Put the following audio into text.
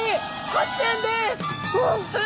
コチちゃんです！